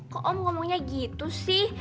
kok om ngomongnya gitu sih